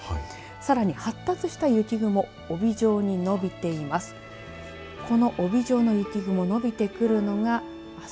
さらに発達した雪雲帯状に伸びています。